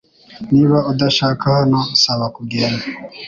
Niba udashaka hano, saba kugenda